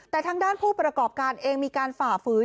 แต่ทางด้านผู้ประกอบการเองมีการฝ่าฝืน